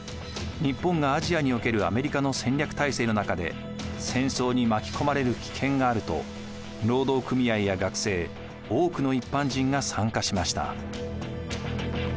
日本がアジアにおけるアメリカの戦略体制の中で戦争に巻き込まれる危険があると労働組合や学生多くの一般人が参加しました。